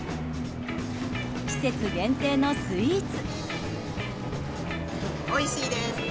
季節限定のスイーツ。